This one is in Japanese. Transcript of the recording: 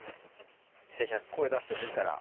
声出してもいいから。